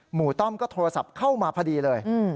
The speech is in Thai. ต้อมก็โทรศัพท์เข้ามาพอดีเลย